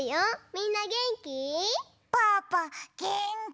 みんなげんき？